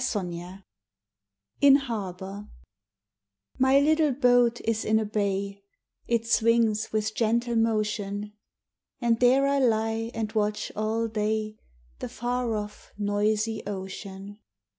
XI In Harbor My little boat is in a bay, It swings with gentle motion, And there I lie and watch all day The far off, noisy ocean.